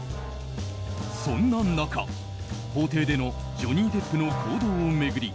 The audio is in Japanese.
そんな中、法廷でのジョニー・デップの行動を巡り